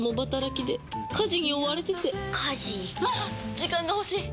時間が欲しい！